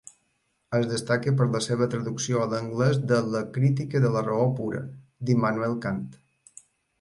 Es destaca per la seva traducció a l'anglès de la "Crítica de la raó pura", d'Immanuel Kant.